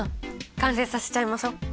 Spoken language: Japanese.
完成させちゃいましょう。